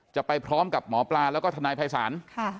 จะไปพร้อมกับหมอปลาแล้วก็ทนายภัยศาล